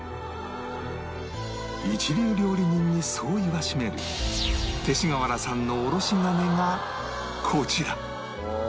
一流料理人にそう言わしめる勅使川原さんのおろし金がこちら